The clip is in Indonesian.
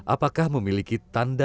apakah memiliki tindakan yang berbeda